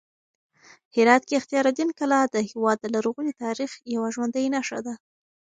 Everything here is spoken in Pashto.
هرات کې اختیار الدین کلا د هېواد د لرغوني تاریخ یوه ژوندۍ نښه ده.